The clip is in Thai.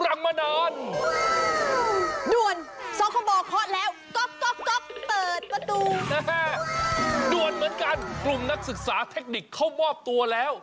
ด่วนเหมือนกันกลุ่มนักศึกษาเทคนิคเขามอบตัวแล้ว